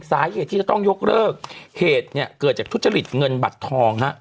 สาเหตุที่จะต้องยกเลิกเหตุเนี่ยเกิดจากทุจริตเงินบัตรทองฮะ